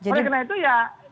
oleh karena itu ya